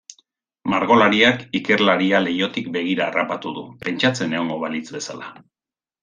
Margolariak ikerlaria leihotik begira harrapatu du, pentsatzen egongo balitz bezala.